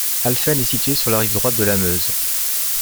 Alphen est situé sur la rive droite de la Meuse.